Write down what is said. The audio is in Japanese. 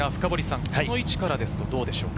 この位置からですとどうでしょうか？